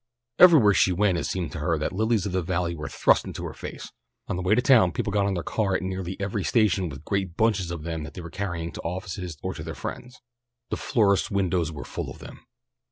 Everywhere she went it seemed to her that lilies of the valley were thrust into her face. On the way to town people got on the car at nearly every station with great bunches of them that they were carrying to offices or to their friends. The florists' windows were full of them.